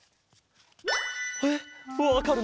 えっわかるの？